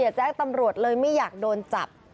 แจ้งตำรวจเลยไม่อยากโดนจับ